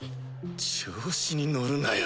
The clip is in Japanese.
調子に乗るなよ